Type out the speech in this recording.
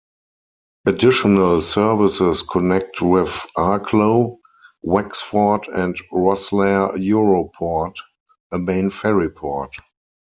Additional services connect with Arklow, Wexford and Rosslare Europort, a main ferry port.